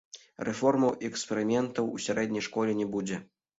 Рэформаў і эксперыментаў у сярэдняй школе не будзе.